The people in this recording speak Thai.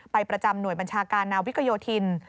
ประจำหน่วยบัญชาการนาวิกโยธิน